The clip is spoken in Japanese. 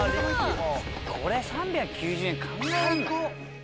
これ３９０円考えらんない。